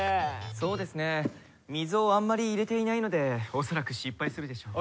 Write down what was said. そうですね水をあんまり入れていないのでおそらく失敗するでしょう。